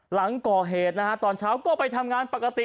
หลังก่อเหตุนะฮะตอนเช้าก็ไปทำงานปกติ